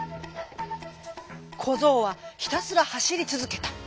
こぞうはひたすらはしりつづけた。